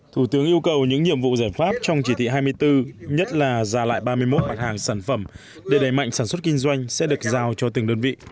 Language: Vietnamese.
thủ tướng yêu cầu những nhiệm vụ giải pháp trong chỉ thị hai mươi bốn nhất là giả lại ba mươi một mặt hàng sản phẩm để đẩy mạnh sản xuất kinh doanh sẽ được giao cho từng đơn vị